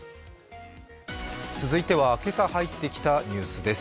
続いては、今朝入ってきたニュースです。